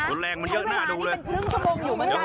ใช้เวลานี้เป็นครึ่งชั่วโมงอยู่เหมือนกัน